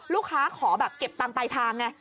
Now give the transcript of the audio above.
ลูกค้าขอแบบเก็บตังไปทางไง